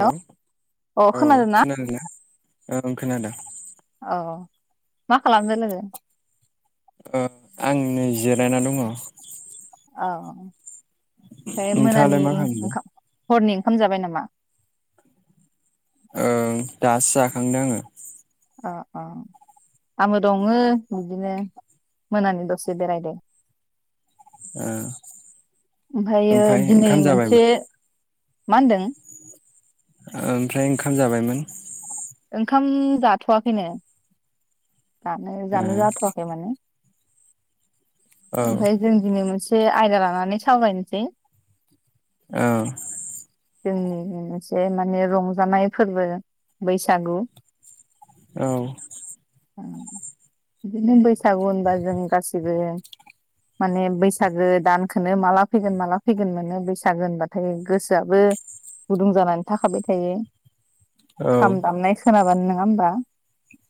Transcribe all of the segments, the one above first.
हेल' औ खोनादोंना? ओं खोनादों। अ मा खालामदो नोङो? ओ आं नै जिरायना दङ। औ ओमफ्राय मोनानि नोंथाङालाय मा खालामदों? ओंखाम हरनि ओंखाम जाबाय नामा? ओं दासो जाखांदों आङो। अ अ आंबो दङो बिदिनो मोनानि दसे बेरायदों। ओ ओमफ्रायो ओमफ्राय दिनै ओंखाम मोनसे जाबायमोन मा होनदों? ओमफ्राय ओंखाम जाबायमोन? ओंखाम जाथ'वाखैनो। दानो जानो ओ जाथ'वाखै माने। औ ओमफाय जों दिनि मोनसे एसे आयदा लानानै सावरायनोसै औ जोंनि मोनसे माने रंजानाय फोरबो बैसागु औ उम बिदिनो बैसागु होनबा जों गासिबो माने बैसागो दानखोनो माला फैगोन माला फैगोन मोनो बैसागो होनबाथाय गोसोवाबो गुदुं जानानै थाखाबाय थायो। औ खाम दामनाय खोनाबानो नों नङा होमबा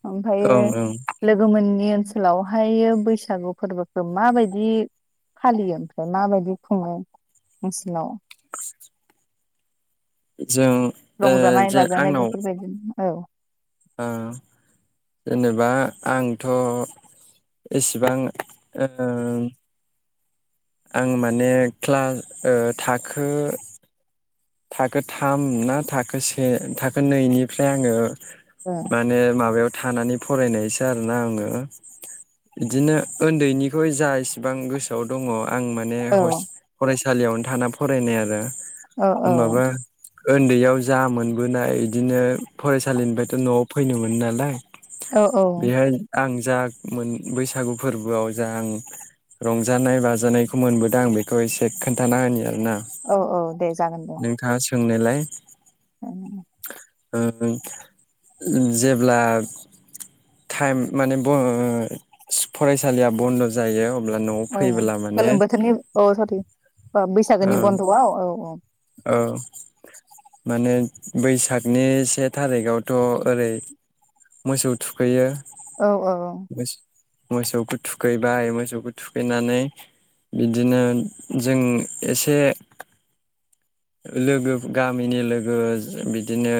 ओमफ्रायो ओं ओं लोगो मोननि ओनसोलावहायो बैसागु फोरबोखौ माबायदि फालियो ओमफ्राय माबायदि खुङो नोंसिनाव? जों ओ रंजानाय जों बाजानाय आंनाव, बेफोरबायदि औ ओ जेनेबा आंथ' इसिबां ओ आं माने क्लास ओ थाखो, थाखो थाम ना थाखो से थाखो नैनिफ्राय आङो औ माने माबायाव थानानै, फरायनायसो आरोना आङो बिदिनो उन्दैनिखो जा इसेबां गोसोआव दङ, आं माने औ हस फराय सालियावनो थाना फरायनाय आरो औ औ होमबाबो उन्दैयाव जा मोनबोनाय इदिनो फरायसालिनिफ्रायथ' न'आव फैनो मोनो नालाय, औ बेहाय आं जा मोन बैसागु फोरबोआव जा आं रंजानाय बाजानायखौ मोनबोदों आं बेखौ एसे खोन्थाना होनि आरो औ औ दे जाग नोंथां सोंनायलाय, ओ जेब्ला टाइम माने बन फरायसालिया बन्द' जायो। अब्ला न'आव औ फैबोला माने गोलोम बोथोरनि औ [unintelligible] ओ बैसागोनि बन्द'आव औ औ औ माने बैसागनि से थारिखावथ' ओरै मोसौ थुखैयो औ औ औ मोसौखौ थुखैबाय मोसौखौ थुखैनानै बिदिनो जों एसे लोगो गामिनि लोगो बिदिनो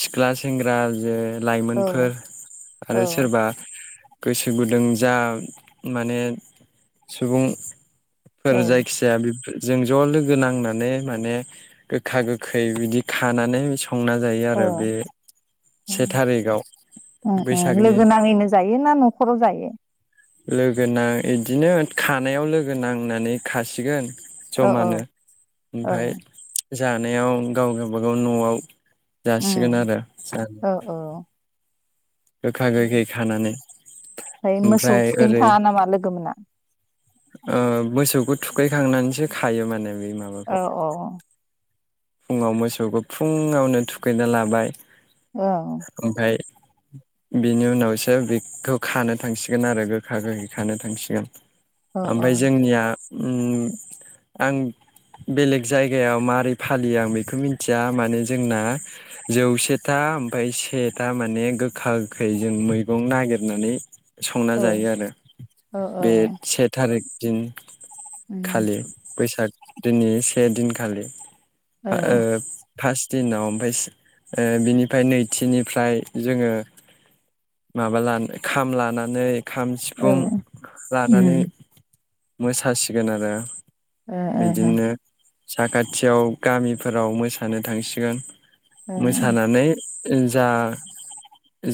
सिख्ला सेंग्रा जे, औ औ लाइमोनफोर औ आरो सोरबा गोसो गुदुं जा माने सुबुं औ फोर जायखिजाया बेफोर जों ज' लोगो गोनानै माने गोखा गोखै बिदि खानानै स औ से ओम थारिखाव ओम ओम बैसागनि लोगो नाङैनो जायो ना न'खराव जायो? लोगो नां बिदिनो खानायाव लोगो नांनानै खासिगोन औ औ ज'मानो ओमफ्राय औ जानायाव गाव गावबागाव न'आव जासिगोन उम आरो जा औ औ गोखा गोखै ओमफ्राय खानानै मोसौ ओमफ्राय थुखैनो ओरै थाङा नामा लोगो मोना? ओ मोसौखौ थुखैखांनानैसो खायो माने । बेै औ माबाखौ फुङाव मोसौखौ फुङावनो थुखैना लाबाय औ ओमफ्राय बेनि उनावसो बेखौ खानो थांसिगोन आरो गोखा गोखै खानो थांसिगोन । औ ओमफ्राय जोंनिया ओम आं बेलेग जायगायाव मारै फालियो आं बेखौ मिथिया माने जोंना जौसेथा ओमफ्राय सेथा माने गोखा गोखै जों मैगं नागिरनानै संना औ जायो आरो औ बे से थारिख दिन उम खालि बैसाग दिननि से दिनखालि । औ आ-ओ फास्थ दिनाव ओमफ्राय ओ बिनिफ्राय नैथिनिफ्राय जोङो माबा लाना खाम लानानै खाम, सिफुं लानानै उम मोसासिगोन आरो । ओ ओ ओ साखाथियाव गामिफोराव मोसानो थांसिगोन । मोसानानै जा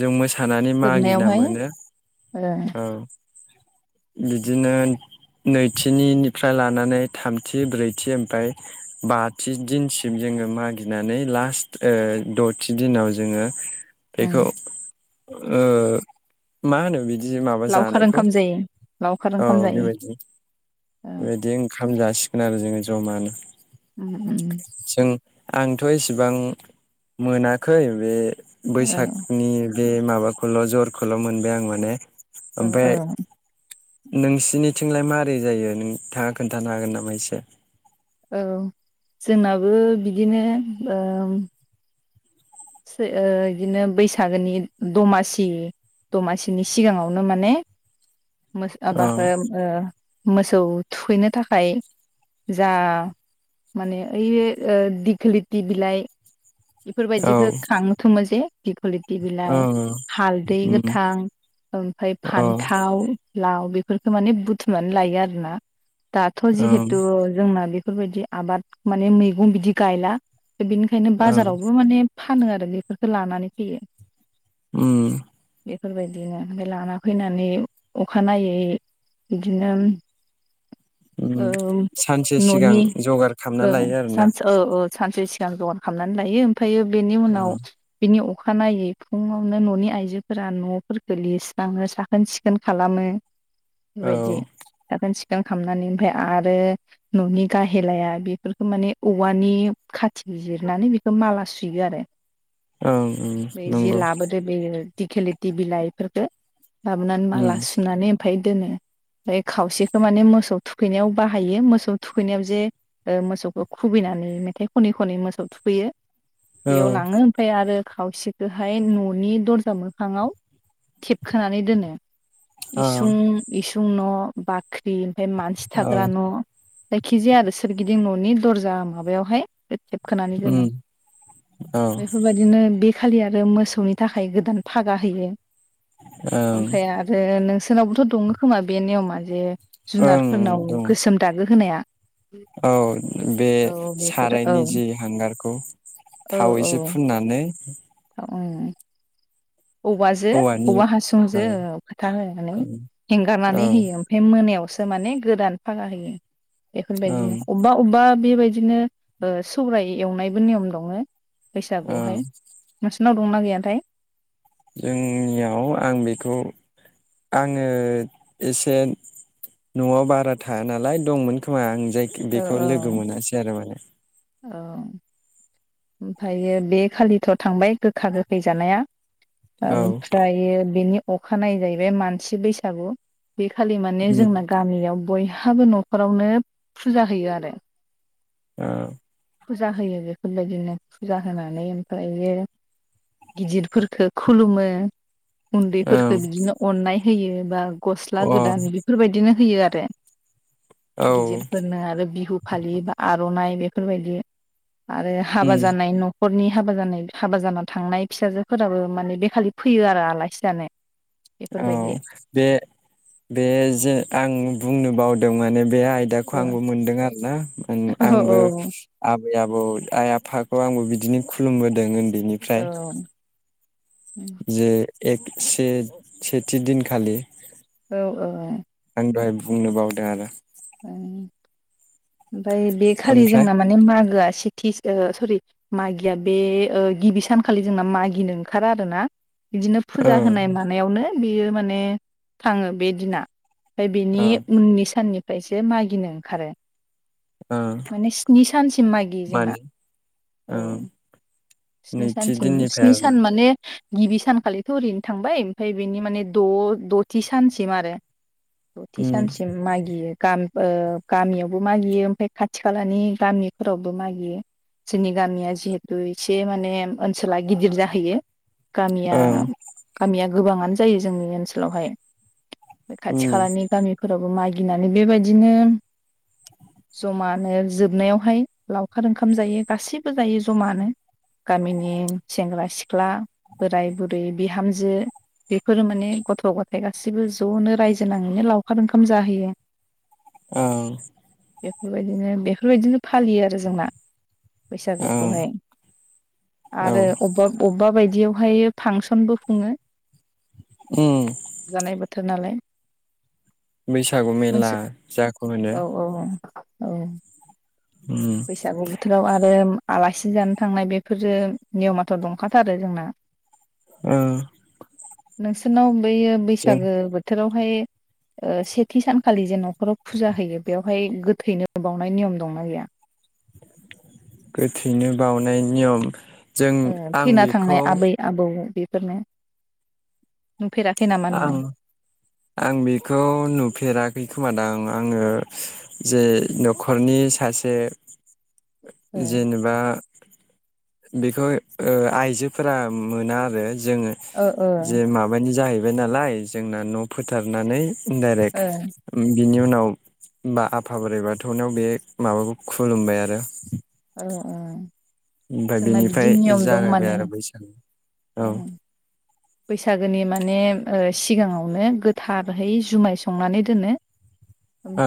जों मोसा नानै मागिना जोबनायावहाय मोनो ओ बिदिनो नैथिनिनिफ्राय लानानै थामथि ब्रैथि ओमफ्राय बा थि दिनसिम जोङो मागिनानै लास्ट ओ द'थि दिनाव जोङो उम बेखौ ओ मा होनो बिदि बि माबा लावखार जानायखौ ओंखाम जायो लावखार औ ओंखाम जायो बेबायदि औ बेबायदि ओं ओंखाम जासिगोन आरो जोङो ज'मानो । उ उम उम आंथ इसेबां मोनाखै बे औ बैसागनि बे माबाखौल जरखौल मोनबाय आं माने ओ औ ओमफ्राय नोंसिनिथिंलाय मारै जायो नोंथाङा खोन्थानो हागोन नामा एसे? औ जोंनाबो बिदिनो ओम सोयो इदिनो बैसागोनि दमासि दमासिनि सिगाङावनो माने मोसआ औ बाखोम ओ मोसौ थुखैनो थाखाय जा माने ओय ओ दिखोलिथि बिलाइ औ बिफोरबायदिखौ खांयोथ मोनसे दिखलिग बि औ बिलाइ हालदै गोथां ओमफ्राय औ फान्थाव लाव बेफ बिफोरखौ माने बुथुमनानै लायो आरो ना दाथ औ जिहेथु जोंना बि बेफोरबायदि आबाद माने मैगं बिदि गायला ओ बिनि औ बाजारावबो माने फानो आरो बेफोरखौ लानानै फैयो। उम। बेफोरबायदिनो ओमफ्राय लाना फैनानै अखानायै बिदिनोम उम ओम सानसे सिगां ननि जगार खालामना ओ लायो आरोना सानच ओ ओ सानसे सि दांदर हामनानै लायोम ओमफायो बेनि औ उनाव बिनि अ अखानायै फुङावनो ननि आइजोफोरा नफोरखौ लिरस्राङो साखोन सिखोन खालामो बि औ बायदि साखोन सि दां खामनानै ओमफ्राय आरो ननि गाहेलाया बिफोरखौ माने औवानि खाथिजिर नानिबिखौ माला सुयो आरो औ उम बै जि नंगौ। लाबोदो बे दिखेलिथि बिलाइ फोरखौ लाबोनानै माला उम सुनानै ओम ओमफाय दोनो ओफ्राय खावसेखौ माने मोसौ थुखैनायाव बाहायो मोसौ थुखैनायाव जे मोसौखौ खुबैनानै मेथाइ खनै खनै मोसौ थुखैयो औ बेयाव लाङो ओमफाय आरो खावसेखोहाय न'नि दरजा मोखाङाव थेबखोनानै दोनो। औ इसुं इसुं न' बाख्रि। [unintelligible] मानसि औ थाग्रा न'। जायखिजाया आरो सोरगिदिं न'नि दरजा माबायावहाय [unintelligible] खानानै दोनो उम औ बेफोरबायदिनो बे खालि आरो मोसौनि थाखाय गोदान फागा होयो। ओं ओमफ्राय आरो नोंस जोंनावबोथ' दङ खोमा बे नियमा जे ओं जुनारफोरनाव दं गोसोम दागो होनाया। औ बे औ बेफोरो औ सारायनि जि हांगारखौ थाव एसे फुननानै उम। औवाजो औवानि औवा हासुंजो ओं ओ फोथा होनानै औ हेंगारनानै होयो ओमफाय मोनायावसो दा माने गोदान फागा होयो। बेफोरबायदिनो ओं अबबा अबबा बेबायदिनो ओ सौराय एवनायबो नियम दङ। बैसागुआवहाय ओं नोंसिनाव दं ना गैयाथाय? जोंनियाव आं बेखौ आङो एसे न'आव बारा थाया नालाय दंमोन खोमा आं जायखि औ बेखौ लोगो मोनासै आरो माने। औ। ओमफायो बे खालिथ' थांबाय गोखा गोखै जानाया। औ ओमफ्रायो बेनि अखानायै जाहैबाय मानसि बैसागु। बे खालि माने उम जोंना गामियाव बय हाबो न'खरावनो फुजा होयो आरो। अ। फुजा होयो बेफोरबायदि। बिदिनो फुजा होनानै ओमफायो गिदिरफोरखो खुलुमो। उन्दैफोरफोरखो बिदिनो अननाय होयो बा गस्ला औ गोदान बेफोरबायदिनो होयो आरो। अ औ गिदिरफोरनो आरो बिहु फालि बा आर रनाय बेफोरबायदि आरो उम हाबा जानाय न' न'खरनि हाबा जानाय हाबा जाना थांनाय फिसाजोफोराबो माने बे खालि फैयो आरो आलासि जानो। औ बेफोरबायदि बे बे जे आं बुंनो बावदों माने। बे आयदाखौ आंबो मोनदों आरोना उम औ आंबो औ आबै-आबौ आइ आफाखौ आंबो बिदिनो खुलुमबोदों ओ औ बेनिफ्राय जे एक से-सेथि दिनखालि औ औ औ। दहय बुंनो बावदों आरो ओं। ओमफाय बे खालि ओमफ्राय जोंना माने मागोआ सेथि सो ओ सरि मागिया बे ओ गिबि सानखालि जोंना मागिनो ओंखारा आरो ना। बिदिनो ओ फुजा होनाय मानायावनो बेयो माने थाङो बे दिना। फाय बेनि ओ उननि साननि फ्रायसो मागिनो ओंखारो। ओ माने स्नि सानसिम मागियो जोंना मानि औ। ओ स्नि नैथि सानसिम दिननिफ्राय स्नि आरोना सान माने गिबि सानखालिथ' ओरैनो थांबाय ओमफाय बेनि माने द-दथि सानसिम आरो। दथि उम सानसिम मागियो गाम ओ गामियावबो मागियो ओमफाय खाथि खालानि गामिफोरावबो मागियो जोंनि गामिया जिहेथु एसे से मासे ओनसोला गिदिर जाहैयो। गामिया औ गामिया गोबाङानो जायो जोंनि ओनसोलावहाय। फाय खाथि उम खालानि गामिफोरावबो मागि गिनानै बेबायदिनो जमानो जोबनायावहाय लावखार ओंखाम जायो गासैबो जायो जमानो। गामिनि सेंग्रा सिख्ला बोराय बुरै बिहामजो बेफोरो माने गथ'-गथाय गासैबो जनो रायजो नाङैनो लावखार ओंखाम जाहोयो। ओं बेफोरबायदिनो बेफोरबायदिनो फालियो आरो जोंना। औ बैसागोखौहाय। औ आरो अबाब अबाब बा बायदियावहाय फांसनबो खुङो। उम जानाय बोथोर नालाय। बैसागु मेला मोनसे जाखौ होनो। औ औ उम बैसागु बोथोराव आरो आलासि जान थांनाय बेफोरो नियमाथ' दंखाथारो जोंना। ओ नोंसोरनाव बैयो जों बैसागो बोथोराव हाय ओ सेथि सानखालि जे न'खराव फुजा होयो बेवहाय गोथैनो बावनाय नियम दंना गैया? गोथैनो बावनाय नियम जों ओ आं थैना बेखौ थांनाय आबै आबौ बे फोरनो। नुफेराखै नामा आं नोङो? आं बेखौ नुफेराखै खोमादां आङो जे न'खरनि सासे ओ जेनेबा बेखौ ओ आइजोफोरा मोना आरो जोङो ओ जे माबानि जाहै बाय नालाय जोंना न' फोथारनानै डायरेक्ट उम बिनि उनाव बा आफा बोराइ बाथौनाव बे माबाखौ खुलुमबाय आरो। ओ ओ ओमफाय जोंना बिदि बेनिफाय नियम दं जागायबाय माने आरो बैसागु औ। बैसागोनि माने ओ सिगाङावनो गोथारहै जुमाय संनानै दोनो।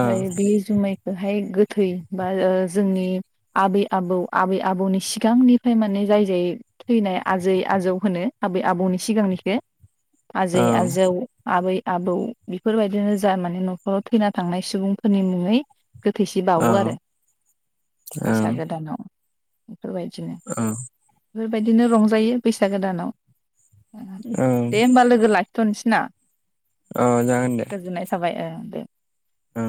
औ बे जुमाय बेहाय गोथै बा ओ जोंनि आबै आबौ आबै आबौनि सिगांनिफाय माने जाय जाय थैनाय आजै आजौ होनो आबै आबौनि सिगांनिखो आजै औ आजौ आबै आबौ बेफोरबायदिनो जा माने न'खराव थैना थांनाय सुबुंफोरनि मुङै गोथैसि औ बावो आरो औ बैसागो दानाव। बेफोरबायदिनो औ बेफोरबायदिनो रंजायो बैसागो दानाव। औ दे होमबा लोगो लाखिथ'नोसै ना? औ गोजोननाय थाबाय ओं दे। औ